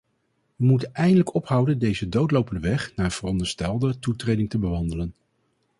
We moeten eindelijk ophouden deze doodlopende weg naar veronderstelde toetreding te bewandelen.